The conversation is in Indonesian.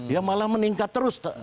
ya malah meningkat terus